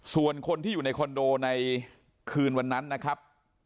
ส่วนคนที่อยู่ในคอนโดในคืนวันนั้นนะครับ